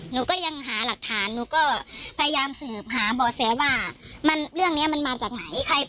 หนูก็ยังหาหลักฐานหนูก็พยายามสืบหาบ่อแสว่าเรื่องนี้มันมาจากไหน